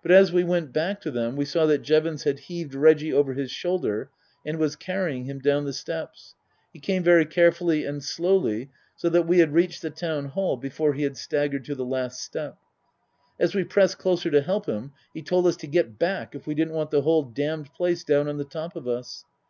But as we went back to them we saw that Jevons had heaved Reggie over his shoulder and was carrying him down the steps. He came very carefully and slowly, so that we had reached the Town Hall before he had staggered to the last step. As we pressed closer to help him he told us to get back if we didn't want the whole damned place down on the top of us.